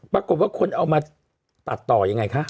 ปรากฏว่าคนเอามาตัดต่อยังไงคะ